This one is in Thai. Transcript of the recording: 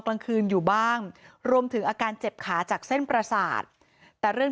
กลางคืนอยู่บ้างรวมถึงอาการเจ็บขาจากเส้นประสาทแต่เรื่อง